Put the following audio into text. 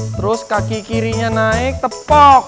terus kaki kirinya naik tepok